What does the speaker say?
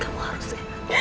kamu harus sehat